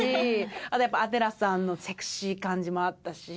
あとやっぱりアデラさんのセクシー感じもあったし。